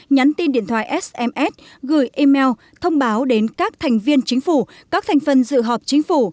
nhắn tin điện thoại sms gửi email thông báo đến các thành viên chính phủ các thành phần dự họp chính phủ